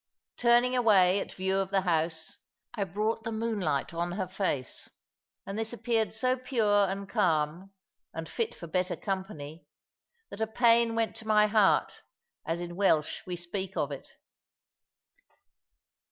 Turning away at view of the house, I brought the moonlight on her face, and this appeared so pure, and calm, and fit for better company, that a pain went to my heart, as in Welsh we speak of it.